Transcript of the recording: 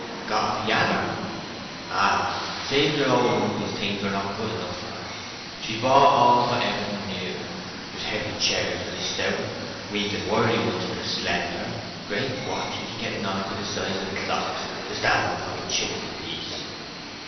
"Got a pianner?" "Ay. Seems her old uncle's things were not good enough for her. She've bought all but everything new. There's heavy chairs for the stout, weak and wiry ones for the slender; great watches, getting on to the size of clocks, to stand upon the chimbley piece."